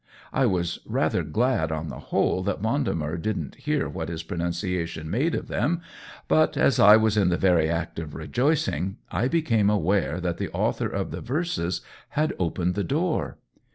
I was rather glad on the whole that Vendemer didn't hear what his pronunciation made of them, but as I was in the very act of rejoicing I became aware that the author of the verses had opened the door.